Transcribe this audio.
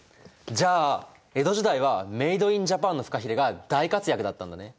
じゃあ江戸時代はメード・イン・ジャパンのフカヒレが大活躍だったんだね。